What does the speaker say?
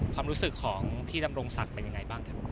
ความรู้สึกของพี่ตำรงศักดิ์เป็นยังไง